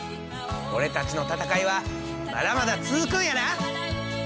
俺たちの闘いはまだまだ続くんやな！